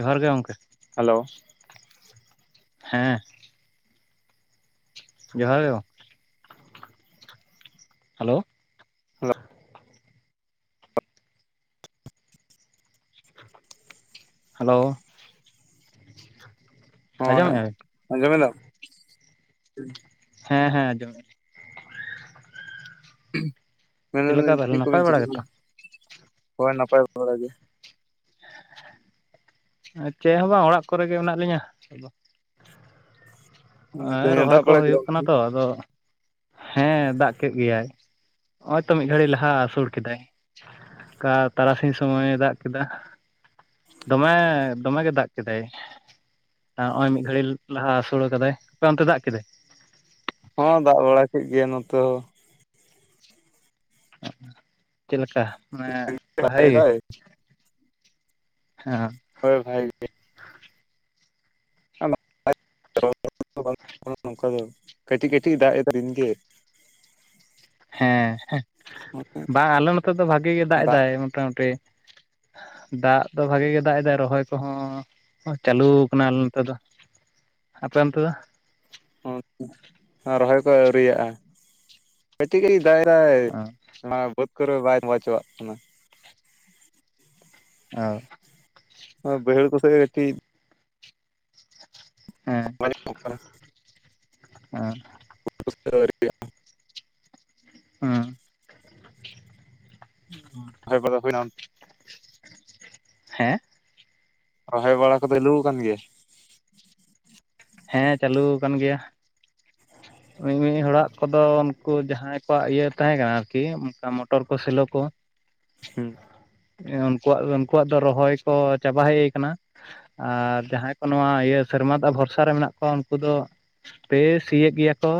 ᱡᱚᱦᱟᱨ ᱜᱮ ᱜᱚᱢᱠᱮ᱾ ᱦᱮᱞᱳ᱾ ᱦᱮᱸ᱾ [unintelligible] ᱦᱮᱞᱳ᱾ Hello hello. ᱦᱳᱭ ᱟᱸᱡᱚᱢᱮᱫᱼᱟ ᱵᱤᱱ ᱟᱸᱡᱚᱢᱮᱫᱟᱢ? ᱦᱮᱸ ᱦᱮᱸ ᱟᱸᱡᱚᱢᱫᱤᱧ᱾ ᱞᱮᱠᱟ ᱢᱮᱱᱫᱟᱹᱧ ᱛᱟᱦᱚᱞᱮ ᱪᱮᱫ ᱱᱟᱯᱟᱭ ᱠᱚᱵᱤᱱ ᱵᱟᱲᱟ ᱪᱤᱠᱟ ᱜᱮᱛᱚ [unintelligible] ᱦᱳᱭ ᱱᱟᱯᱟᱭ ᱵᱟᱟ ᱜᱮ᱾ ᱪᱮᱫ ᱦᱚᱸ ᱵᱟᱝ ᱚᱲᱟᱜ ᱠᱚᱨᱮ ᱜᱮ ᱢᱮᱱᱟᱜ ᱞᱤᱧᱟᱹ ᱟᱫᱚ ᱾ ᱦᱮᱸ ᱛᱮᱦᱮᱧ ᱮ ᱨᱚᱦᱚᱭ ᱫᱟᱜ ᱠᱚ ᱵᱟᱲᱟ ᱠᱮᱫᱟ ᱦᱩᱭᱩᱜ ᱠᱟᱱᱟ ᱛᱚ ᱟᱫᱚ ᱦᱮᱸ ᱫᱟᱜ ᱠᱮᱫ ᱜᱮᱭᱟᱭ ᱱᱚᱜ-ᱚᱭ ᱛᱚ ᱢᱤᱫ ᱜᱷᱟᱹᱲᱤᱡ ᱞᱟᱦᱟ ᱦᱟᱥᱩᱲ ᱠᱮᱫᱟᱭ ᱾ ᱠᱟ ᱛᱟᱨᱟᱥᱤᱧ ᱥᱚᱢᱚᱭᱮ ᱫᱟᱜ ᱠᱮᱫᱟ ᱾ ᱫᱚᱢᱮ ᱫᱚᱢᱮ ᱜᱮ ᱫᱟᱜ ᱠᱮᱫᱟᱭ ᱾ ᱱᱚᱜ-ᱚᱭ ᱢᱤᱫ ᱜᱷᱟᱹᱲᱤᱡ ᱞᱟᱦᱟ ᱟᱥᱩᱲᱟ ᱠᱟᱫᱟᱭ, ᱟᱯᱮ ᱚᱱᱛᱮ ᱫᱟᱜ ᱠᱮᱫᱟᱭ? ᱦᱚᱸ ᱫᱟᱜ ᱵᱟᱲᱟ ᱠᱮᱫ ᱜᱮᱭᱟ ᱱᱚᱛᱮ ᱦᱚᱸ ᱾ ᱪᱮᱫ ᱞᱮᱠᱟ ᱢᱟᱱᱮ ᱦᱚᱸ ᱫᱟᱜ ᱵᱷᱟᱜᱮ ᱜᱮ? ᱮᱫᱟᱭ ᱦᱮᱸ᱾ ᱦᱳᱭ ᱵᱷᱟᱜᱮ ᱜᱮ ᱾ [unintelligible] [unintelligible] ᱱᱚᱝᱠᱟ ᱜᱮ ᱠᱟᱹᱴᱤᱡ ᱠᱟᱹᱴᱤᱡ ᱫᱟᱜ ᱮᱫᱟ ᱫᱤᱱ ᱜᱮ ᱾ ᱦᱮᱸ ᱵᱟᱝ ᱟᱞᱮ ᱱᱚᱛᱮ ᱫᱚ ᱵᱷᱟᱜᱮ ᱜᱮ ᱫᱟᱜ ᱮᱫᱟᱭ ᱢᱚᱴᱟᱢᱩᱴᱤ ᱾ ᱫᱟᱜ ᱫᱚ ᱵᱷᱟᱜᱤ ᱜᱮ ᱫᱟᱜ ᱮᱫᱟᱭ ᱨᱚᱦᱚᱭ ᱠᱚᱦᱚᱸ ᱪᱟᱹᱞᱩ ᱠᱟᱱᱟ ᱟᱞᱮ ᱱᱚᱛᱮ ᱫᱚ ᱾ ᱟᱯᱮ ᱚᱱᱮᱛ ᱫᱚ? ᱨᱚᱦᱚᱭ ᱠᱚ ᱟᱹᱣᱨᱤᱟᱜ-ᱟ ᱾ ᱠᱟᱹᱴᱤᱡ ᱠᱟᱴᱤᱡ ᱫᱟᱜ ᱮᱫᱟᱭ ᱚ ᱱᱚᱣᱟ ᱵᱟᱹᱫᱽ ᱠᱚᱨᱮ ᱵᱟᱭ ᱛᱚᱸᱵᱟ ᱪᱚᱣᱟᱜ ᱠᱟᱱᱟ ᱾ ᱚ ᱦᱚ ᱵᱟᱹᱭᱦᱟᱹᱲ ᱠᱚ ᱥᱮ ᱠᱟᱴᱤᱡ [unintelligible] ᱦᱩᱸ [unintelligible] ᱦᱮᱸ ᱨᱚᱦᱚᱭ ᱵᱟᱲᱟ ᱠᱚᱫᱚ ᱪᱟᱞᱩ ᱟᱠᱟᱱ ᱜᱮᱭᱟ? ᱦᱮᱸ ᱪᱟᱹᱞᱩ ᱟᱠᱟᱱ ᱜᱮᱭᱟ ᱢᱤ ᱢᱤᱫ ᱦᱚᱲᱟᱜ ᱠᱚᱫᱚ ᱩᱱᱠᱩ ᱡᱟᱦᱟᱸᱭ ᱟᱠᱚᱣᱟᱜ ᱤᱭᱟᱹ ᱛᱟᱦᱮᱸ ᱠᱟᱱᱟ ᱟᱨᱠᱤ ᱚᱱᱠᱟ ᱢᱚᱴᱚᱨ ᱠᱚ ᱥᱮᱞᱳ ᱠᱚ ᱾ ᱦᱩᱸ ᱩᱱᱠᱩᱣᱟᱜ ᱩᱱᱠᱩᱣᱟᱜ ᱫᱚ ᱨᱚᱦᱚᱭ ᱠᱚ ᱪᱟᱵᱟ ᱦᱮᱡ ᱠᱟᱱᱟ ᱾ ᱟᱨ ᱡᱟᱦᱟᱸᱭ ᱠᱚ ᱱᱚᱣᱟ ᱤᱭᱟᱹ ᱥᱮᱨᱢᱟ ᱫᱟᱜ ᱵᱷᱚᱨᱥᱟ ᱨᱮ ᱢᱮᱱᱟᱜ ᱠᱚᱣᱟ ᱩᱱᱠᱩ ᱫᱚ ᱯᱮ ᱥᱤᱭᱮᱫ ᱜᱮᱭᱟ ᱠᱚ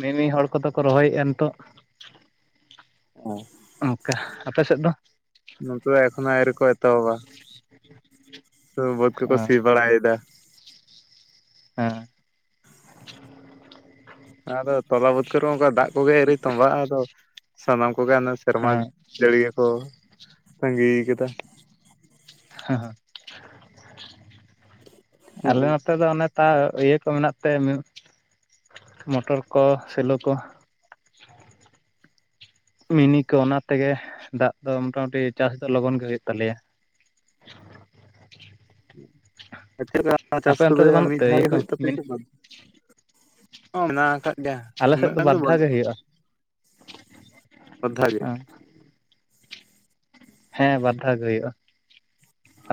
ᱢᱤ ᱢᱤᱫ ᱦᱚᱲ ᱠᱚᱫᱚ ᱠᱚ ᱨᱚᱦᱚᱭᱮᱟ ᱱᱤᱛᱚᱜ ᱾ [unintelligible] ᱚᱱᱠᱟ, ᱟᱯᱮ ᱥᱮᱫ ᱫᱚ? ᱱᱚᱛᱮ ᱫᱚ ᱮᱠᱷᱚᱱ ᱦᱚᱸ ᱟᱣᱨᱤ ᱠᱚ ᱮᱛᱚᱦᱚᱵᱟ ᱾ ᱛᱚ ᱵᱟᱹᱫ ᱠᱚᱠᱚ ᱥᱤ ᱦᱮᱸ ᱵᱟᱲᱟᱭᱮᱫᱟ ᱾ ᱦᱮᱸ ᱾ ᱟᱫᱚ ᱛᱚᱞᱟ ᱵᱟᱹᱫᱽ ᱠᱚᱨᱮ ᱚᱱᱠᱟ ᱫᱟᱜ ᱠᱚᱜᱮ ᱟᱣᱨᱤ ᱛᱚᱸᱵᱟᱜ-ᱟ, ᱟᱫᱚ ᱥᱟᱱᱟᱢ ᱠᱚᱜᱮ ᱥᱮᱨᱢᱟ ᱦᱮᱸ ᱡᱟᱹᱲᱤ ᱜᱮᱠᱚ ᱛᱟᱸᱜᱤ ᱠᱟᱫᱟ ᱾ ᱟᱞᱮ ᱦᱳᱭ ᱱᱚᱛᱮ ᱫᱚ ᱚᱱᱮ ᱠᱟ ᱤᱭᱟᱹ ᱠᱚ ᱢᱮᱱᱟᱜ ᱛᱮ ᱢᱚᱴᱚᱨ ᱠᱚ ᱥᱮᱞᱳ ᱠᱚ ᱾ ᱢᱤᱱᱤ ᱠᱚ ᱚᱱᱟ ᱛᱮᱜᱮ ᱫᱟᱜ ᱫᱚ ᱢᱚᱴᱟᱢᱩᱴᱤ ᱪᱟᱥ ᱫᱚ ᱞᱚᱜᱚᱱ ᱜᱮ ᱦᱩᱭᱩᱜ ᱛᱟᱞᱮᱭᱟ ᱾ [unintelligible] ᱮ [inaudible] ᱪᱟᱥ ᱟᱯᱮ ᱚᱱᱛᱮ ᱠᱚᱫᱚ ᱫᱚ ᱵᱟᱹᱱᱩᱜ ᱢᱤᱫ ᱛᱮ ᱫᱷᱟᱣ ᱤᱭᱟᱹ ᱜᱮ ᱠᱚ ᱦᱩᱭᱩᱜ ᱛᱟᱯᱮᱭᱟ ᱢᱤᱱᱤ ᱥᱮ ᱵᱟᱨ ᱫᱷᱟᱣ? ᱢᱮᱱᱟᱜ ᱟᱠᱟᱫ ᱜᱮᱭᱟ ᱟᱞᱮ ᱩᱱᱟᱹᱜ ᱥᱮᱫ ᱜᱟᱱ ᱵᱟᱨ ᱫᱚ ᱫᱷᱟᱣ ᱜᱮ ᱵᱟᱹᱱᱩᱜ-ᱟ ᱾ ᱦᱩᱭᱩᱜᱼᱟ [unintelligible] ᱦᱮᱸ ᱵᱟᱨ ᱫᱷᱟᱣ ᱜᱮ ᱦᱩᱭᱩᱜ-ᱟ,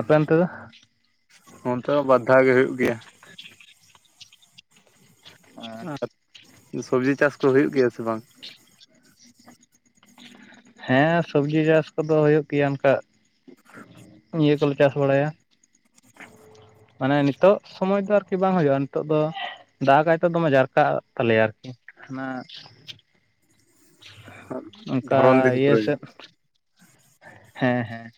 ᱟᱯᱮ ᱚᱱᱛᱮ ᱫᱚ ᱚᱱᱛᱮ ᱦᱚᱸ ᱵᱟᱫᱽᱫᱷᱟᱣ ᱜᱮ ᱧᱩᱭᱩᱜ ᱜᱮᱭᱟ᱾ ᱟᱨ ᱥᱚᱵᱡᱤ ᱪᱟᱥ ᱠᱚ ᱦᱩᱭᱩᱜ ᱜᱮᱭᱟ ᱥᱮ ᱵᱟᱝ? ᱦᱮᱸ ᱥᱚᱵᱽᱡᱤ ᱪᱟᱥ ᱠᱚᱫᱚ ᱦᱩᱭᱩᱜ ᱜᱮᱭᱟ ᱚᱱᱠᱟ᱾ ᱤᱭᱟᱹ ᱠᱚᱞᱮ ᱪᱟᱥ ᱵᱟᱲᱟᱭᱟ᱾ ᱢᱟᱱᱮ ᱱᱤᱛᱚᱜ ᱥᱚᱢᱚᱭ ᱫᱚ ᱟᱨᱠᱤ ᱵᱟᱝ ᱦᱩᱭᱩᱜᱼᱟ ᱱᱤᱛᱚᱜ ᱫᱚ ᱫᱟᱜᱟᱭᱛᱚ ᱫᱚᱢᱮ ᱡᱟᱨᱠᱟᱜ ᱛᱟᱞᱮᱭᱟ ᱟᱨᱠᱤ ᱚᱱᱟ ᱚᱱᱠᱟ ᱫᱷᱚᱨᱚᱱ ᱫᱤᱱ ᱤᱭᱟᱹ ᱠᱚᱨᱮ ᱜᱮ ᱥᱮᱫ ᱦᱮᱸ ᱦᱮᱸ᱾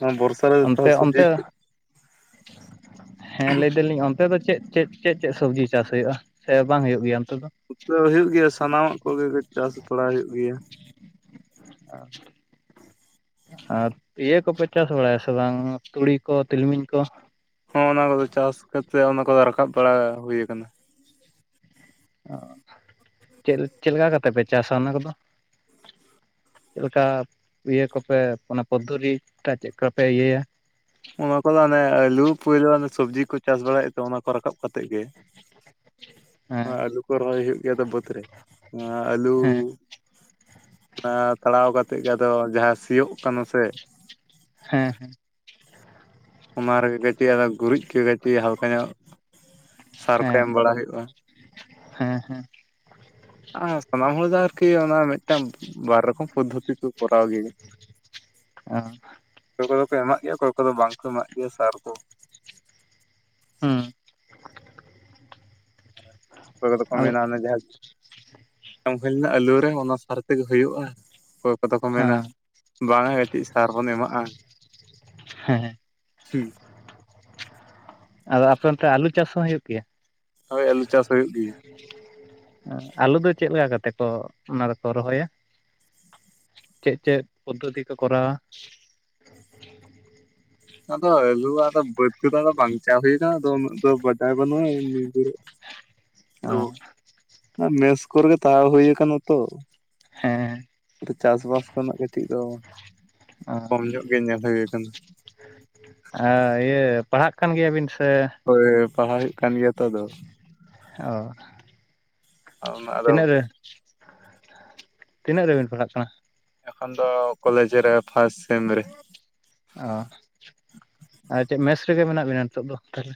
ᱦᱚ ᱵᱚᱨᱥᱟ, ᱨᱮ ᱚᱱᱛᱮ ᱥᱚᱵᱽᱡᱤ ᱚᱱᱛᱮ ᱦᱮᱸ ᱞᱟᱹᱭ ᱫᱟᱞᱤᱧ ᱚᱱᱛᱮ ᱫᱚ ᱪᱮᱫ ᱪᱮᱫ? ᱪᱮᱫ ᱪᱮᱫ ᱥᱚᱵᱽᱡᱤ ᱪᱟᱥ ᱦᱩᱭᱩᱜᱼᱟ ᱥᱮ ᱵᱟᱝ ᱦᱩᱭᱩᱜ ᱜᱮᱭᱟ ᱚᱱᱛᱮ ᱫᱚ? ᱦᱩᱭᱩᱜ ᱜᱮᱭᱟ ᱥᱟᱱᱟᱢᱟᱜ ᱠᱚᱜᱮ ᱪᱟᱥ ᱛᱚᱲᱟ ᱦᱩᱭᱩᱜ ᱜᱮᱭᱟ᱾ ᱟᱪᱪᱷᱟ᱾ ᱟᱨ ᱤᱭᱟᱹ ᱠᱚᱯᱮ ᱪᱟᱥ ᱵᱟᱲᱟᱭᱟ ᱥᱮ ᱵᱟᱝ ᱛᱩᱲᱤ ᱠᱚ ᱛᱤᱞᱢᱤᱧ ᱠᱚ᱾ ᱦᱚᱸ ᱚᱱᱟ ᱠᱚᱫᱚ ᱪᱟᱥ ᱠᱟᱛᱮᱜ ᱚᱱᱟ ᱠᱚᱫᱚ ᱨᱟᱠᱟᱵ ᱵᱟᱲᱟ ᱦᱩᱭᱩ ᱟᱠᱟᱱᱟ᱾ ᱚ ᱪᱮᱫ ᱪᱮᱫ ᱞᱮᱠᱟ ᱠᱟᱛᱮᱫ ᱯᱮ ᱪᱟᱥᱟ ᱚᱱᱟ ᱠᱚᱫᱚ᱾ ᱪᱮᱫ ᱞᱮᱠᱟ ᱤᱭᱟᱹ ᱠᱚᱯᱮ ᱚᱱᱟ ᱯᱚᱫᱽᱫᱷᱚᱨᱤ ᱪᱮᱫ ᱞᱮᱠᱟᱯᱮ ᱤᱭᱟᱹᱭᱟ? ᱚᱱᱟ ᱠᱚᱫᱚ ᱚᱱᱮ ᱟᱹᱞᱩ ᱯᱳᱭᱞᱳ ᱥᱚᱵᱽᱡᱤ ᱠᱚ ᱪᱟᱥ ᱵᱟᱲᱟᱭᱮᱫ ᱛᱮ ᱚᱱᱟ ᱠᱚ ᱨᱟᱠᱟᱵ ᱠᱟᱛᱮᱜ ᱜᱮ᱾ ᱦᱮᱸ ᱱᱚᱣᱟ ᱟᱹᱞᱩ ᱠᱚ ᱨᱚᱦᱚᱭ ᱦᱩᱭᱩᱜ ᱜᱮᱭᱟ ᱛᱚ ᱵᱟᱹᱫᱽ ᱨᱮ ᱱᱚᱣᱟ ᱟᱹᱞᱩ ᱦᱮᱸ ᱚᱱᱟ ᱛᱟᱲᱟᱣ ᱠᱟᱛᱮ ᱜᱮ ᱟᱫᱚ ᱡᱟᱦᱟᱸ ᱥᱤᱭᱳᱜ ᱠᱟᱱᱟ ᱥᱮ, ᱦᱮᱸ ᱦᱮᱸ, ᱚᱱᱟ ᱨᱮᱜᱮ ᱜᱟᱫᱮ ᱟᱫᱚ ᱜᱩᱨᱤᱡ ᱠᱚ ᱠᱟᱹᱴᱤᱡ ᱦᱟᱞᱠᱟ ᱧᱚᱜ ᱥᱟᱨ ᱠᱚ ᱦᱮᱸ ᱮᱢ ᱵᱟᱲᱟ ᱦᱩᱭᱩᱜᱼᱟ᱾ ᱦᱮᱸ ᱦᱮᱸ, ᱥᱟᱱᱟᱢ ᱦᱚᱲ ᱫᱚ ᱟᱨᱠᱤ ᱚᱱᱟ ᱢᱤᱫᱴᱟᱝ ᱵᱟᱨ ᱨᱚᱠᱚᱢ ᱯᱚᱫᱽᱫᱷᱚᱛᱤ᱾ ᱯᱛᱤ ᱠᱚ ᱠᱚᱨᱟᱣ ᱜᱮ ᱚ ᱚᱠᱚᱭ ᱠᱚᱫᱚ ᱠᱚ ᱮᱢᱟᱜ ᱜᱮᱭᱟ ᱚᱠᱚᱭ ᱠᱚᱫᱚ ᱵᱟᱝ ᱠᱚ ᱮᱢᱟᱜ ᱜᱮᱭᱟ ᱥᱟᱨ ᱠᱚ᱾ ᱦᱩᱸ, ᱚᱠᱚᱭ ᱠᱚᱫᱚ ᱠᱚ ᱟᱫᱚ ᱢᱮᱱᱟ ᱚᱱᱮ ᱡᱟᱦᱟᱸ᱾ ᱦᱩᱭ ᱞᱮᱱᱟ ᱟᱹᱞᱩ ᱨᱮ ᱚᱱᱟ ᱥᱟᱨ ᱛᱮᱜᱮ ᱦᱩᱭᱩᱜᱼᱟ ᱚᱠᱚᱭ ᱠᱚᱫᱚ ᱠᱚ ᱢᱮᱱᱟ᱾ ᱦᱮᱸ ᱵᱟᱝᱟ ᱠᱟᱹᱴᱤᱡ ᱥᱟᱨ ᱵᱚᱱ ᱮᱢᱟᱜᱼᱟ᱾ ᱦᱮᱸ, [inaudible] ᱟᱫᱚ ᱟᱯᱮ ᱚᱱᱛᱮ ᱟᱞᱩ ᱪᱟᱥ ᱦᱚᱸ ᱦᱩᱭᱩᱜ ᱜᱮᱭᱟ? ᱦᱳᱭ ᱟᱞᱩ ᱪᱟᱥ ᱦᱩᱭᱩᱜ ᱜᱮ᱾ ᱟᱞᱩ ᱫᱚ ᱪᱮᱫᱞ ᱞᱮᱠᱟ ᱠᱟᱛᱮ ᱠᱚ ᱚᱱᱟ ᱫᱚᱠᱚ ᱨᱚᱦᱚᱭᱟ᱾ ᱪᱮᱫ ᱪᱮᱫ ᱯᱚᱫᱽᱫᱷᱚᱛᱤ [unintelligible] ᱠᱚᱨᱟᱣᱟ᱾ [inaudible] ᱟᱫᱚ ᱟᱞᱩ ᱫᱚ ᱵᱟᱲᱛᱤ ᱫᱚ ᱟᱫᱚ ᱵᱟᱝᱪᱟ ᱦᱩᱭᱟᱱᱟ ᱟᱫᱚ ᱩᱱᱟᱹᱜ ᱫᱚ ᱪᱟᱭ ᱚ [inaudible] ᱚᱱᱟ ᱢᱮᱥ ᱠᱚᱨᱮᱜᱮ ᱛᱟᱦᱮ ᱦᱩᱭ ᱟᱠᱟᱱᱟ ᱛᱚ᱾ ᱦᱮᱸ ᱪᱟᱥᱵᱟᱥ ᱠᱷᱚᱱᱟᱜ ᱠᱟᱹᱴᱤᱡ ᱫᱚ ᱚ ᱠᱚᱢ ᱧᱚᱜ ᱜᱮ ᱧᱮᱞ ᱦᱩᱭ ᱟᱠᱟᱱᱟ᱾ ᱤᱭᱟᱹ ᱯᱟᱲᱦᱟᱜ ᱠᱟᱱ ᱜᱮᱭᱟᱵᱤᱱ ᱥᱮ ᱦᱳᱭ ᱯᱟᱲᱦᱟᱣ ᱦᱩᱭᱩᱜ ᱠᱟᱱ ᱜᱮᱭᱟ ᱛᱚ ᱟᱫᱚ᱾ ᱚ ᱚᱱᱟ ᱟᱫᱚ ᱛᱤᱱᱟᱹᱜ ᱨᱮ ᱛᱤᱱᱟᱹᱜ ᱨᱮᱵᱤᱱ ᱯᱟᱲᱦᱟᱜ ᱠᱟᱱᱟ? ᱮᱠᱷᱚᱱ ᱫᱚ ᱠᱚᱞᱮᱡᱽ ᱨᱮ ᱯᱷᱟᱥᱴ ᱥᱮᱢ ᱨᱮ᱾ ᱚ [inaudible] ᱟᱨ ᱪᱮᱫ ᱢᱮᱥ ᱨᱮᱜᱮ ᱢᱮᱱᱟᱜ ᱵᱤᱱᱟ ᱱᱤᱛᱳᱜ ᱫᱚ ᱛᱟᱦᱚᱞᱮ,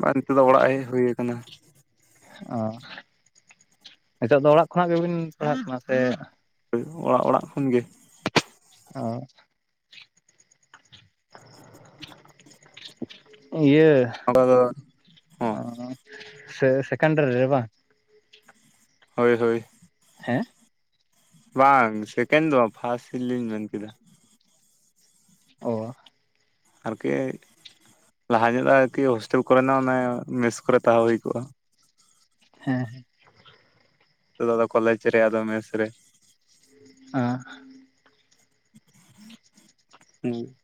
ᱵᱟᱝ ᱱᱤᱛᱚᱜ ᱫᱚ ᱚᱲᱟᱜ ᱦᱮᱡ ᱦᱩᱭ ᱟᱠᱟᱱᱟ᱾ ᱚ [inaudible] ᱱᱤᱛᱚᱜ ᱫᱚ ᱚᱲᱟᱜ ᱠᱷᱚᱱᱟᱜ ᱜᱮᱵᱤᱱ ᱯᱟᱲᱦᱟᱜ ᱠᱟᱱᱟ ᱥᱮ, ᱦᱳᱭ ᱚᱲᱟᱜ ᱚᱲᱟᱜ ᱠᱷᱚᱱ ᱜᱮ᱾ ᱚ [inaudible] [inaudible] ᱤᱭᱟᱹ ᱚᱱᱠᱟ ᱫᱚ ᱦᱚᱸ ᱚ [inaudible] ᱥᱮ ᱥᱮᱠᱮᱱᱰᱟᱨᱤ ᱨᱮ ᱵᱟᱝ? ᱦᱳᱭ ᱦᱳᱭ᱾ ᱦᱮᱸ᱾ ᱵᱟᱝ ᱥᱮᱠᱮᱱᱰ ᱫᱚ ᱵᱟᱝ ᱯᱷᱟᱥᱴ ᱨᱮᱞᱤᱧ ᱢᱮᱱ ᱠᱮᱫᱟ᱾ ᱳ᱾ ᱟᱨᱠᱤ ᱞᱟᱦᱟ ᱧᱚᱜ ᱫᱚ ᱟᱨᱠᱤ ᱦᱳᱥᱴᱮᱞ ᱠᱚᱨᱮᱱᱟᱜ ᱚᱱᱮ ᱢᱮᱥ ᱠᱚᱨᱮ ᱛᱟᱦᱮᱸ ᱦᱩᱭ ᱠᱚᱜ-ᱟ᱾ ᱦᱮᱸᱻ ᱦᱮᱸ᱾ ᱦᱤᱛᱚᱜ ᱫᱚ ᱟᱫᱚ ᱠᱚᱞᱮᱡᱽ ᱨᱮ ᱟᱫᱚ ᱢᱮᱥ ᱨᱮ, ᱟᱸᱻ [unintelligible]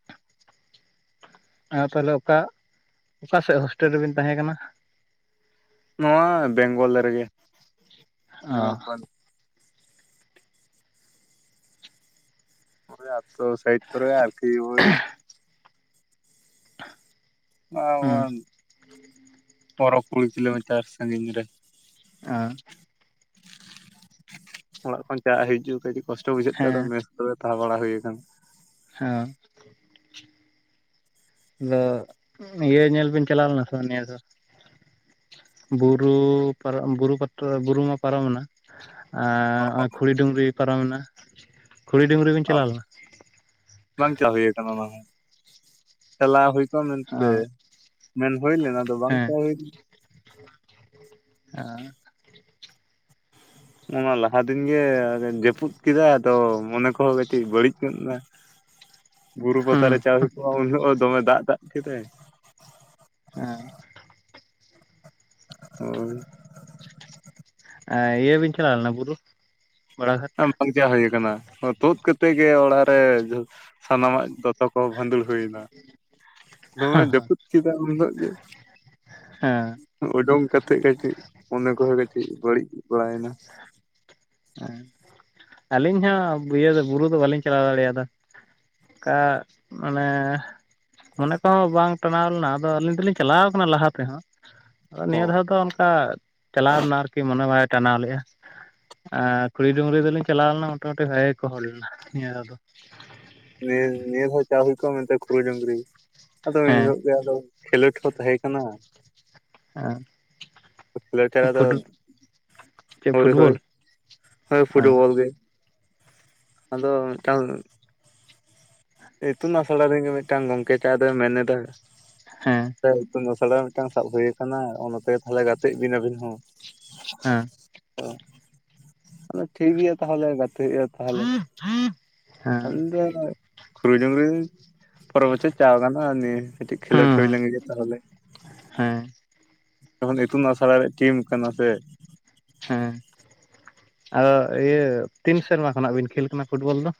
ᱟᱨ ᱛᱟᱦᱚᱞᱮ ᱚᱠᱟ ᱚᱠᱟ ᱥᱮᱫ ᱦᱳᱥᱴᱮᱞ ᱨᱮᱵᱤᱱ ᱛᱟᱦᱮᱸ ᱠᱟᱱᱟ? ᱱᱚᱣᱟ ᱵᱮᱝᱜᱚᱞ ᱨᱮᱜᱮ᱾ ᱚ᱾ ᱱᱚᱜ-ᱚᱭ ᱟᱛᱳ ᱥᱟᱭᱤᱴ ᱠᱚᱨᱮ ᱟᱨᱠᱤ ᱳᱭ, [inaudible] ᱦᱩᱸ ᱯᱚᱸᱣᱨᱚ ᱠᱩᱲᱤ ᱠᱤᱞᱳᱢᱤᱴᱟᱨ ᱥᱟᱺᱜᱤᱧ ᱨᱮ᱾ ᱮᱸᱻ [inaudible] ᱚᱲᱟᱜ ᱠᱷᱚᱱ ᱪᱟ ᱦᱤᱡᱩᱜ ᱠᱟᱹᱴᱤᱡ ᱠᱚᱥᱴᱚ ᱵᱩᱡᱷᱟᱹᱜ ᱛᱮ ᱟᱫᱚ ᱦᱮᱸ ᱢᱮ ᱨᱮ ᱛᱟᱦᱮᱸ ᱵᱟᱲᱟ ᱦᱩᱭ ᱠᱟᱱᱟ᱾ ᱦᱮᱸ᱾ ᱟᱫᱚ ᱤᱭᱟᱹ ᱧᱮᱞ ᱵᱤᱱ ᱪᱟᱞᱟᱣ ᱞᱮᱱᱟ ᱥᱮ ᱱᱤᱭᱟᱹ ᱫᱚ ᱵᱩᱨᱩ ᱯᱟᱨᱚᱢ ᱵᱩᱨᱩ ᱯᱟ ᱵᱩᱨᱩ ᱢᱟ ᱯᱟᱨᱚᱢᱮᱱᱟ, ᱟᱨ ᱦᱚᱸᱜ-ᱚᱭ ᱠᱷᱩᱚᱲᱤ ᱰᱩᱝᱨᱤ ᱯᱟᱨᱚᱢᱮᱱᱟ ᱠᱷᱩᱚᱲᱤ ᱰᱩᱝᱨᱤ ᱵᱤᱱ ᱪᱟᱞᱟᱣ ᱞᱮᱱᱟ? ᱵᱟᱝ ᱪᱟ ᱦᱩᱭ ᱟᱠᱟᱱᱟ ᱚᱱᱟ ᱦᱚᱸ᱾ ᱪᱟᱞᱟᱣ ᱦᱩᱭ ᱠᱚᱜ-ᱟ ᱚ ᱢᱮᱱᱛᱮ ᱢᱮᱱ ᱦᱩᱭ ᱞᱮᱱᱟ ᱟᱫᱚ ᱵᱟᱝ ᱦᱮᱸ ᱪᱟᱞᱟᱣ ᱦᱩᱭ ᱞᱮᱱᱟ᱾ ᱟᱸᱻ ᱱᱚᱣᱟ ᱞᱟᱦᱟ ᱫᱤᱱᱜᱮ ᱟᱨᱮ ᱡᱟᱹᱯᱩᱫ ᱠᱮᱫᱟ ᱟᱫᱚ ᱢᱚᱱᱮ ᱠᱚᱦᱚᱸ ᱠᱟᱹᱴᱤᱡ ᱵᱟᱹᱲᱤᱡ ᱧᱚᱜ ᱱᱟ᱾ [inaudible] ᱵᱩᱨᱩ ᱯᱟᱛᱟ ᱨᱮ ᱦᱩᱸ ᱪᱟᱣ ᱦᱩᱭᱩᱜ ᱠᱚᱜ-ᱟ ᱩᱱ ᱦᱤᱞᱳᱜ ᱦᱚᱸ ᱫᱚᱢᱮ ᱫᱟᱜ ᱫᱟᱜ ᱠᱮᱫᱟᱭ᱾ ᱮᱸᱻ ᱟᱨ᱾ ᱟᱨ ᱤᱭᱟᱹ ᱵᱤᱱ ᱪᱟᱞᱟᱣ ᱞᱮᱱᱟ ᱵᱩᱨᱩ? ᱵᱟᱲᱟᱜᱷᱟᱴ? ᱵᱟᱧᱪᱟᱣ ᱦᱩᱭ ᱟᱠᱟᱱᱟ ᱛᱩᱫ ᱠᱟᱛᱮᱫ ᱜᱮ ᱚᱲᱟᱜ ᱨᱮ ᱥᱟᱱᱟᱢᱟᱜ ᱫᱚᱛᱚ ᱠᱚ ᱵᱷᱟᱸᱫᱩᱲ ᱦᱩᱭᱱᱟ᱾ ᱱᱚᱣᱟ ᱡᱟᱹᱯᱩᱫ ᱠᱮᱫᱟ ᱩᱱ ᱦᱤᱞᱳᱜ ᱜᱮ᱾ ᱦᱮᱸ [inaudible] ᱚᱰᱳᱝ ᱠᱟᱛᱮᱜ ᱜᱮ ᱪᱮᱫ ᱢᱚᱱᱮᱮ ᱠᱚᱦᱚᱸ ᱠᱟᱹᱴᱤᱡ ᱢᱚᱱᱮ ᱠᱚᱦᱚᱸ ᱠᱟᱹᱴᱤᱡ ᱵᱟᱹᱲᱤᱡ ᱵᱟᱲᱟᱭᱮᱱᱟ᱾ [unintelligible] ᱟᱹᱞᱤᱧ ᱦᱚᱸ ᱤᱭᱟᱹ ᱫᱚ ᱵᱩᱨᱩ ᱫᱚ ᱵᱟᱟᱹᱞᱤᱧ ᱪᱟᱞᱟᱣ ᱫᱟᱲᱮᱭᱟᱫᱟ᱾ ᱚᱱᱠᱟ ᱢᱟᱱᱮ ᱢᱚᱱᱮ ᱠᱚᱦᱚᱸ ᱵᱟᱝ ᱴᱟᱱᱟᱣ ᱞᱮᱱᱟ ᱟᱫᱚ ᱟᱹᱞᱤᱧ ᱫᱚᱞᱤᱧ ᱪᱟᱞᱟᱣ ᱠᱟᱱᱟ ᱞᱟᱦᱟ ᱛᱮᱦᱚᱸ᱾ ᱟᱫᱚ ᱦᱚᱸ ᱱᱤᱭᱟᱹ ᱫᱷᱟᱣ ᱫᱚ ᱚᱱᱠᱟ ᱪᱟᱞᱟᱣ ᱨᱮᱱᱟᱜ ᱟᱨᱠᱤ ᱢᱚᱱᱮ ᱵᱟᱭ ᱴᱟᱱᱟᱣ ᱞᱮᱼᱟ᱾ ᱟᱨ ᱠᱩᱲᱤ ᱰᱩᱝᱨᱤ ᱫᱚᱞᱤᱧ ᱪᱟᱞᱟᱣ ᱞᱮᱱᱟ ᱢᱳᱴᱟᱢᱩᱴᱤ ᱵᱷᱟᱜᱮ ᱜᱮᱠᱚ ᱦᱚᱲ ᱞᱮᱱᱟ ᱱᱤᱭᱟᱹ ᱵᱟᱨ ᱫᱚ᱾ ᱱᱤᱭᱟᱹ ᱱᱤᱭᱟᱹ ᱫᱷᱟᱣ ᱪᱟᱣ ᱦᱩᱭ ᱠᱚᱜᱼᱟ ᱢᱮᱱᱛᱮ ᱠᱷᱲᱟᱹ ᱡᱩᱨᱤ᱾ ᱟᱫᱚ ᱦᱮᱸ ᱮᱱᱦᱤᱞᱳᱜ ᱜᱮ ᱟᱫᱚ ᱠᱷᱮᱞᱳᱰ ᱦᱚᱸ ᱛᱟᱦᱮᱸ ᱠᱟᱱᱟ᱾ ᱠᱷᱮᱞᱳᱰ ᱪᱷᱟᱲᱟ ᱟᱸ ᱫᱚ ᱯᱷᱩᱰᱩ ᱦᱳᱭ ᱦᱳᱭ᱾ ᱦᱳᱭ ᱦᱮᱸ ᱯᱷᱩᱴᱵᱚᱞ ᱜᱮ᱾ ᱟᱫᱚ ᱢᱤᱫᱴᱟᱝ ᱤᱛᱩᱱ ᱟᱥᱲᱟ ᱨᱮᱜᱮ ᱢᱤᱫᱴᱟᱝ ᱜᱚᱢᱠᱮ ᱪᱟᱣ ᱫᱚᱭ ᱢᱮᱱ ᱮᱫᱟ᱾ ᱦᱮᱸ᱾ ᱤᱛᱩᱱ ᱟᱥᱲᱟ ᱢᱤᱫᱴᱟᱝ ᱥᱟᱵ ᱦᱩᱭ ᱟᱠᱟᱱᱟ, ᱚ ᱱᱛᱮᱜᱮ ᱛᱟᱦᱞᱮ ᱜᱟᱛᱮᱜ ᱵᱤᱱ ᱟᱵᱤᱱ ᱦᱚᱸ᱾ ᱚ ᱦᱮᱸ ᱟᱫᱚ ᱴᱷᱤᱠ ᱜᱮᱭᱟ ᱛᱟᱦᱚᱞᱮ ᱜᱟᱛᱮ ᱦᱩᱭᱩᱜ-ᱟ᱾ ᱛᱟᱦᱞᱮ ᱦᱩᱸ [unintelligible] ᱠᱷᱩᱨᱤ ᱰᱩᱨᱤ ᱯᱚᱨᱮᱨ ᱵᱚᱪᱚᱨ ᱪᱟᱣ ᱜᱟᱱᱚᱜ-ᱟ ᱱᱤᱭᱟᱹ ᱠᱟᱹᱴᱤᱡ ᱠᱷᱮᱞᱳᱰ ᱦᱩᱭ ᱦᱩᱸ ᱞᱮᱱ ᱜᱮ ᱡᱮ ᱛᱟᱦᱚᱞᱮ᱾ ᱦᱮᱸ᱾ ᱡᱚᱠᱷᱚᱱ ᱤᱛᱩᱱ ᱟᱥᱲᱟ ᱨᱮᱭᱟᱜ ᱴᱤᱢ ᱠᱟᱱᱟ ᱥᱮ᱾ ᱦᱮᱸ, ᱟᱫᱚ ᱤᱭᱟᱹ ᱛᱤᱱ ᱥᱮᱨᱢᱟ ᱠᱷᱚᱱᱟᱜ ᱵᱤᱱ ᱠᱷᱮᱞ ᱠᱟᱱᱟ ᱯᱷᱩᱴᱵᱚᱞ ᱫᱚ?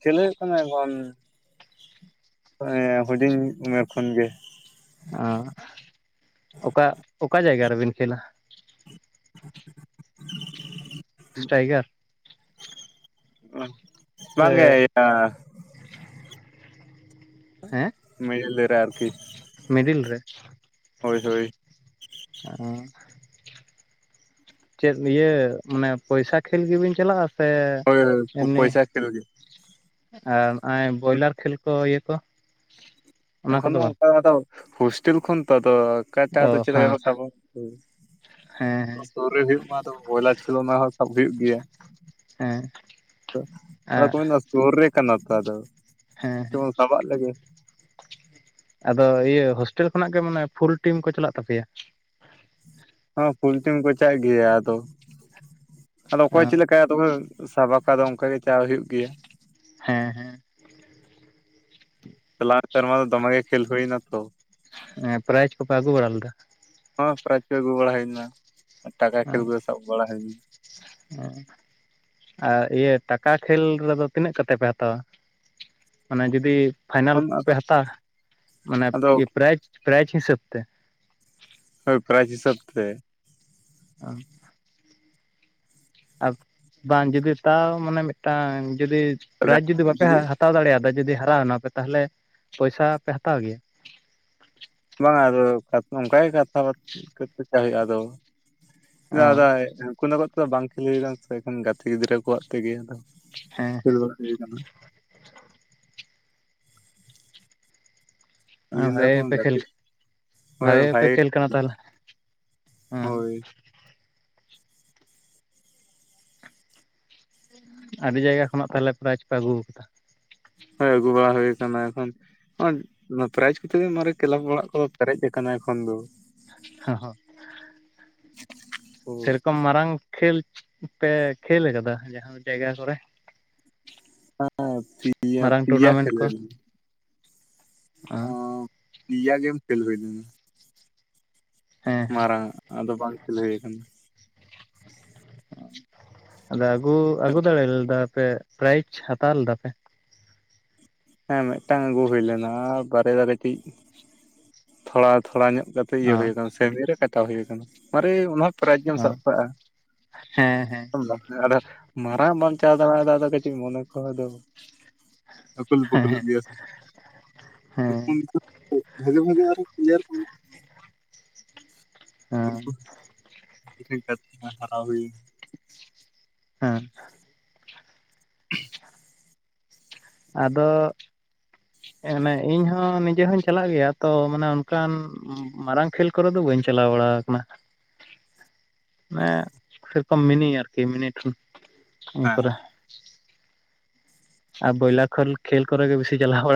ᱠᱷᱮᱞᱳ ᱦᱩᱭᱩᱜ ᱠᱟᱱᱟ ᱮᱠᱷᱚᱱ ᱮᱸ ᱦᱩᱰᱤᱧ ᱩᱢᱮᱨ ᱠᱷᱚᱱ ᱜᱮ᱾ ᱚ ᱚᱠᱟ ᱚᱠᱟ ᱡᱟᱭᱜᱟ ᱨᱮᱵᱮᱱ ᱠᱷᱮᱞᱟ? ᱥᱴᱨᱟᱭᱜᱟᱨ [unintelligible] ᱥᱮ ᱵᱟᱝ ᱜᱮ ᱤᱭᱟᱹ ᱦᱮᱸ ᱢᱤᱰᱤᱞ ᱨᱮ ᱟᱨᱠᱤ᱾ ᱢᱤᱰᱤᱞ ᱨᱮ? ᱦᱳᱭ ᱦᱳᱭ᱾ [unintelligible] ᱪᱮᱫ ᱤᱭᱟᱹ ᱢᱟᱱᱮ ᱯᱚᱭᱥᱟ ᱠᱷᱮᱞ ᱜᱮᱵᱮᱱ ᱪᱟᱞᱟᱜᱼᱟ, ᱥᱮ ᱦᱳᱭ ᱮᱢᱱᱤ? ᱯᱚᱭᱥᱟ ᱠᱷᱮᱞ ᱜᱮ ᱟᱨ ᱱᱚᱜ-ᱚᱭ ᱵᱚᱭᱞᱟᱨ ᱠᱷᱮᱞ ᱠᱚ ᱤᱭᱟᱹ ᱠᱚ? ᱚᱱᱟ ᱮᱠᱷᱚᱱ ᱠᱚᱫᱚ ᱫᱚ ᱵᱟᱝ ᱚᱱᱠᱟ ᱫᱚ ᱟᱫᱚ ᱦᱳᱥᱴᱮᱞ ᱠᱷᱚᱱ ᱛᱚ ᱟᱫᱚ ᱚᱠᱟᱴᱟᱜ ᱟᱫᱚ ᱚ ᱪᱮᱫ ᱞᱮ ᱦᱮᱸ ᱞᱮᱠᱟ ᱠᱚ ᱥᱟᱵᱟ᱾ ᱦᱮᱸ ᱥᱳᱨ ᱨᱮ ᱦᱩᱭᱩᱜ ᱢᱟ ᱫᱚ ᱵᱚᱭᱞᱟᱨ ᱠᱷᱮᱞᱳ ᱚᱱᱟ ᱦᱚᱸ ᱥᱟᱵ ᱦᱩᱭᱩᱜ ᱜᱮᱭᱟ᱾ ᱦᱮᱸ᱾ ᱟᱫᱚ ᱦᱮᱸ ᱠᱚ ᱢᱮᱱᱟ ᱥᱩᱨ ᱨᱮ ᱠᱟᱱᱟ ᱛᱚ ᱟᱫᱚ, ᱦᱮᱸ ᱪᱚ ᱵᱚᱱ ᱥᱟᱵᱟᱜ ᱞᱮᱜᱮ᱾ ᱟᱫᱚ ᱤᱭᱟᱹ ᱦᱳᱥᱴᱮᱞ ᱠᱷᱚᱱᱟᱜ ᱜᱮ ᱢᱟᱱᱮ ᱯᱷᱩᱞ ᱴᱤᱢ ᱠᱚ ᱪᱟᱞᱟᱜ ᱛᱟᱯᱮᱭᱟ? ᱦᱚᱸ ᱯᱷᱩᱞ ᱴᱤᱢ ᱠᱚ ᱪᱟᱜ ᱜᱮᱭᱟ ᱟᱫᱚ, ᱟᱫᱚ ᱚ ᱚᱠᱚᱭ ᱪᱮᱫ ᱞᱮᱠᱟᱼᱼ ᱫᱚᱢᱮ ᱥᱟᱵᱟᱠᱟ ᱫᱚ ᱚᱝᱠᱟ ᱜᱮ ᱪᱟᱣ ᱦᱩᱭᱩᱜ ᱜᱮᱭᱟ᱾ ᱦᱮᱸ, ᱦᱮᱸ᱾ ᱪᱟᱞᱟᱣᱮᱱ ᱥᱮᱨᱢᱟ ᱫᱚ ᱫᱚᱢᱮ ᱜᱮ ᱠᱷᱮᱞ ᱦᱩᱭᱱᱟ ᱛᱚ᱾ ᱦᱮᱸᱜ-ᱮ ᱯᱨᱟᱭᱤᱡ ᱠᱚᱯᱮ ᱟᱹᱜᱩ ᱵᱟᱲᱟ ᱞᱮᱫᱟ᱾ ᱦᱸ ᱯᱨᱟᱭᱤᱡᱽ ᱠᱚ ᱟᱹᱜᱩ ᱵᱟᱲᱟ ᱦᱩᱭᱱᱟ ᱟᱨ ᱴᱟᱠᱟ ᱠᱷᱮᱞ ᱠᱚᱫᱚ ᱥᱟᱵ ᱵᱟᱲᱟ ᱦᱩᱭ [unintelligible] ᱚ ᱟᱨ ᱤᱭᱟᱹ ᱴᱟᱠᱟ ᱠᱷᱮᱞ ᱨᱮᱫᱚ ᱛᱤᱱᱟᱹᱜ ᱠᱟᱛᱮ ᱯᱮ ᱦᱟᱛᱟᱣᱟ? ᱢᱟᱱᱮ ᱡᱩᱫᱤ ᱯᱷᱟᱭᱱᱟᱞ ᱞᱮᱱᱟ ᱯᱮ ᱟᱫᱚ ᱦᱟᱛᱟᱣᱟ ᱢᱟᱱᱮ ᱟᱫᱚ ᱯᱨᱟᱭᱤᱡᱽ ᱯᱨᱟᱭᱤᱡᱽ ᱦᱤᱥᱟᱹᱵ ᱛᱮ᱾ ᱦᱳᱭ ᱯᱨᱟᱭᱤᱡᱽ ᱦᱤᱥᱟᱹᱵ ᱛᱮ᱾ ᱚ᱾ ᱟᱨ ᱵᱟᱝ ᱡᱩᱫᱤ ᱛᱟᱣ ᱢᱟᱱᱮ ᱢᱤᱫᱴᱟᱝ ᱡᱩᱫᱤ ᱯᱨᱟᱭᱤᱡᱽ ᱡᱩᱫᱤ ᱵᱟᱯᱮ ᱦᱟ ᱛᱟᱣ ᱫᱟᱲᱮᱭᱟᱫᱟ ᱡᱩᱫᱤ ᱦᱟᱨᱟᱮᱱᱟ ᱯᱮ, ᱛᱟᱦᱚᱞᱮ ᱯᱚᱭᱥᱟ ᱯᱮ ᱦᱟᱛᱟᱣ ᱜᱮᱭᱟ᱾ ᱵᱟᱝᱟ ᱟᱫᱚ ᱠᱟᱛᱷ ᱚᱱᱠᱟ ᱜᱮ ᱠᱟᱛᱷᱟ ᱵᱟᱛ ᱠᱟᱛᱮ ᱪᱟᱣ ᱦᱩᱭᱩᱜ-ᱟ ᱟᱫᱚ᱾ ᱫᱟᱜ ᱚ ᱫᱟᱭ [unintelligible] ᱛᱮᱫᱚ ᱵᱟᱝ ᱠᱷᱮᱞ ᱠᱟᱱᱟ ᱥᱮ ᱮᱠᱷᱚᱱ ᱜᱟᱛᱮ ᱜᱤᱫᱽᱨᱟᱹ ᱠᱚᱣᱟᱜ ᱛᱮᱜᱮ ᱟᱫᱚ ᱦᱮᱸ ᱦᱮᱸ [unintelligible] ᱵᱟᱝ ᱦᱩᱭ ᱠᱟᱱᱟ᱾ ᱟᱹᱞᱤᱧ ᱫᱚ ᱵᱷᱟᱜᱮ ᱮᱠᱷᱚᱱ ᱜᱮᱯᱮ ᱠᱷᱮᱞ ᱜᱟᱛᱮ ᱦᱳᱭ ᱵᱷᱟᱜᱮ ᱜᱮᱯᱮ ᱵᱷᱟᱭ ᱠᱷᱮᱞ ᱠᱟᱱᱟ ᱛᱟᱦᱚᱞᱮ? ᱦᱮᱸ᱾ ᱦᱳᱭ ᱟᱹᱰᱤ ᱡᱟᱭᱜᱟ ᱠᱷᱚᱱᱟᱜ ᱛᱟᱦᱚᱞᱮ ᱯᱨᱟᱭᱤᱡ ᱯᱮ ᱟᱹᱜᱩ ᱠᱟᱫᱟ᱾ ᱦᱳᱭ ᱟᱹᱜᱩ ᱵᱟᱲᱟ ᱦᱩ ᱠᱟᱱᱟ, ᱮᱠᱷᱚᱱ ᱚᱸᱜ ᱯᱨᱟᱭᱤᱡᱽ ᱠᱚᱛᱮ ᱫᱚ ᱢᱟᱨᱮ ᱠᱞᱟᱵᱽ ᱚᱲᱟᱜ ᱠᱚ ᱯᱮᱨᱮᱡ ᱠᱟᱱᱟ ᱮᱠᱷᱚᱱ ᱫᱚ᱾ ᱦᱚᱸ ᱦᱚᱸ᱾ ᱥᱮ ᱦᱳᱭ ᱨᱚᱠᱚᱢ ᱢᱟᱨᱟᱝ ᱠᱷᱮᱞ ᱯᱮ ᱠᱷᱮᱞ ᱠᱟᱫᱟ ᱡᱟᱦᱟᱸ ᱡᱟᱭᱜᱟ ᱠᱚᱨᱮ? ᱦᱮᱸ ᱯᱤᱭᱟ ᱢᱟᱨᱟᱝ ᱯᱤᱭᱟ ᱴᱩᱨᱱᱟᱢᱮᱱᱴ ᱠᱷᱮᱞ ᱠᱚ ᱦᱳᱭ ᱞᱮᱱᱟ᱾ ᱚ ᱯᱤᱭᱟ ᱜᱮᱢ ᱠᱷᱮᱞ ᱦᱩᱭ ᱞᱮᱱᱟ᱾ ᱦᱮᱸ ᱦᱮᱸ ᱢᱟᱨᱟᱝᱼᱟᱜ ᱟᱫᱚ ᱵᱟᱝ ᱠᱷᱮᱞ ᱦᱩᱭ ᱠᱟᱱᱟ᱾ ᱟᱫᱚ ᱟᱹᱜᱩ ᱟᱹᱜᱩ ᱫᱟᱲᱮ ᱞᱮ ᱫᱟ ᱯᱮ? ᱯᱨᱟᱭᱤᱡᱽ ᱦᱟᱛᱟᱣ ᱞᱮᱫᱟ ᱯᱮ? ᱦᱮᱸ, ᱢᱤᱫᱴᱟᱝ ᱟᱹᱜᱩ ᱦᱳᱭ ᱞᱮᱱᱟ᱾ᱟᱨ ᱵᱟᱨᱭᱟ ᱫᱚ ᱠᱟᱹᱴᱤᱡ ᱛᱷᱚᱲᱟ ᱛᱷᱚᱲᱟ ᱧᱚᱜ ᱠᱟ ᱤᱭᱟᱹ ᱚ ᱦᱳᱭ ᱠᱟᱱᱟ ᱥᱮᱢᱤ ᱨᱮ ᱠᱟᱴᱟᱣ ᱦᱳᱭ ᱠᱟᱱᱟ᱾ ᱢᱟᱨᱮ ᱚᱱᱟ ᱯᱨᱟᱭᱤᱡᱽ ᱜᱮᱢ ᱚ ᱥᱟᱵ ᱠᱟᱜᱼᱟ ᱦᱮᱸ ᱦᱮᱸ [unintelligible] ᱟᱫᱚ ᱢᱟᱨᱟᱝ ᱵᱟᱢ ᱪᱟᱣ ᱫᱟᱲᱮᱣᱟ ᱫᱟ ᱟᱫᱚ ᱠᱟᱹᱴᱤᱡ ᱢᱚᱱᱮ ᱠᱚᱦᱚᱸ ᱟᱫᱚ ᱩᱠᱩᱞ ᱦᱮᱸ ᱯᱩᱠᱩᱞᱚᱜ ᱜᱮᱭᱟ ᱥᱮ᱾ ᱦᱮᱸ [unintelligible] ᱵᱷᱟᱜᱮ ᱵᱷᱟᱜᱮ ᱟᱨ ᱯᱞᱮᱭᱟᱨ ᱠᱚ ᱦᱮᱸ [unintelligible] ᱦᱟᱨᱟᱣ ᱦᱩᱭ ᱦᱮᱸ᱾ ᱟᱫᱚ ᱚᱱᱮ ᱤᱧ ᱦᱚᱸ ᱱᱤᱡᱮ ᱦᱚᱧ ᱪᱟᱞᱟᱜ ᱜᱮᱭᱟ ᱛᱚ, ᱢᱟᱱᱮ ᱚᱱᱠᱟᱱ ᱢᱟᱨᱟᱝ ᱠᱷᱮᱞ ᱠᱚᱨᱮ ᱫᱚ ᱵᱟᱹᱧ ᱪᱟᱞᱟᱣ ᱵᱟᱲᱟ ᱠᱟᱱᱟ᱾ [unintelligible] ᱢᱟᱱᱮ ᱥᱮᱨᱚᱠᱚᱢ ᱢᱤᱱᱤ ᱟᱨᱠᱤ ᱢᱤᱱᱤ ᱴᱷᱮᱱ ᱤᱭᱟᱹ ᱦᱮᱸ ᱠᱚᱨᱮ᱾ ᱟ ᱵᱚᱭᱞᱟ ᱠᱷᱚᱞ ᱠᱷᱮᱞ ᱠᱚᱨᱮ ᱜᱮ ᱵᱤᱥᱤ ᱪᱟᱞᱟᱣ ᱵᱟᱲᱟ